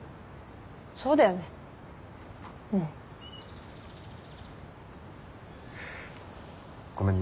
そうだよねうん。ごめんね。